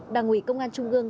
đảng ủy công an trung ương